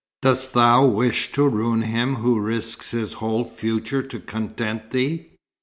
Dost thou wish to ruin him who risks his whole future to content thee?"